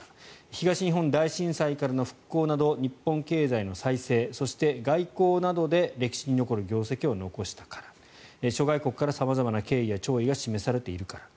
東日本大震災からの復興など日本経済の再生そして外交などで歴史に残る業績を残したから諸外国から様々な敬意や弔意が示されているから。